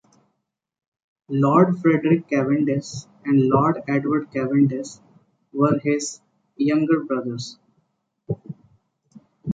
Lord Frederick Cavendish and Lord Edward Cavendish were his younger brothers.